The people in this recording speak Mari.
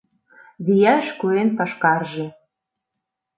Вияш куэн пашкарже